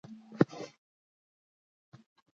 او له دې سره د نننۍ لوبې غوره لوبغاړی ونومول شو.